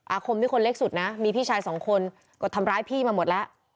คมนี่คนเล็กสุดนะมีพี่ชายสองคนก็ทำร้ายพี่มาหมดแล้ว